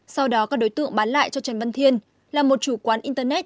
sau đó các đối tượng bán lại cho trần văn thiên là một chủ quán internet